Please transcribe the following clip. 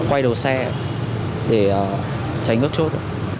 quay đầu xe để tránh ước chốt